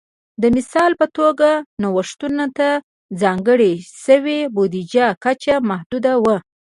د مثال په توګه نوښتونو ته ځانګړې شوې بودیجې کچه محدوده وه